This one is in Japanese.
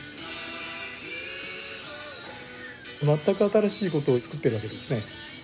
全く新しいことを作っているわけですね。